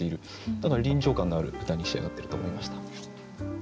だから臨場感のある歌に仕上がってると思いました。